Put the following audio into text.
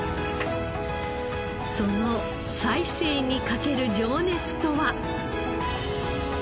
その再生にかける情熱とは？